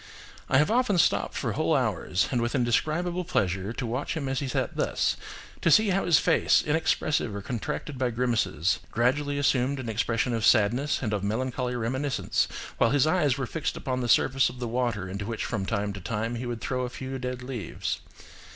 "I have often stopped for whole hours, and with indescribable pleasure, to watch him as he sat thus–to see how his face, inexpressive or contracted by grimaces, gradually assumed an expression of sadness, and of melancholy reminiscence, while his eyes were fixed upon the surface of the water into which from time to time he would throw a few dead leaves.